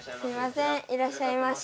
いらっしゃいませ。